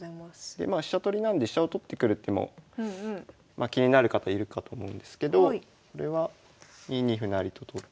でまあ飛車取りなんで飛車を取ってくる手も気になる方いるかと思うんですけどこれは２二歩成と取って。